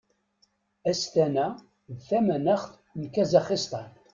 Astana d tamanaxt n Kazaxistan.